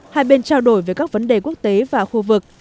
hai bên trao đổi về các vấn đề quốc tế và khu vực